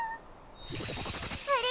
あれ？